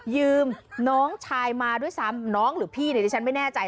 ยืมน้องชายมาด้วยซ้ำน้องหรือพี่เนี่ยดิฉันไม่แน่ใจ